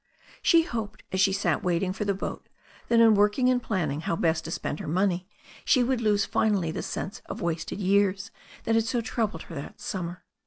She hoped as she sat waiting for the boat that in work ing and planning how best to spend her money she would lose finally the sense of wasted years that had so troubled her that summer.